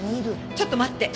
ちょっと待って！